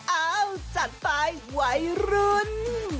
อ้าวจัดไปวัยรุ่น